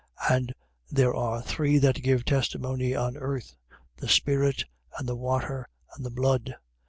5:8. And there are three that give testimony on earth: the spirit and the water and the blood.